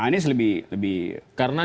anies lebih relatif lebih punya keresmian